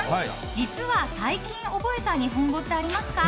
実は最近覚えた日本語ってありますか？